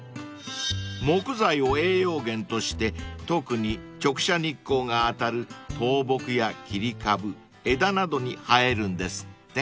［木材を栄養源として特に直射日光が当たる倒木や切り株枝などに生えるんですって］